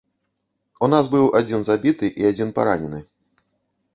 У нас быў адзін забіты і адзін паранены.